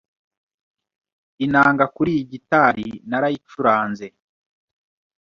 Inanga kuri iyi gitari narayicuranze